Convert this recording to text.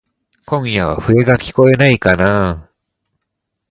今夜は笛がきこえないかなぁ。